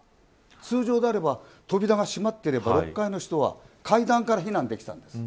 通常であれば扉が閉まっていれば６階の人は階段から避難できたんです。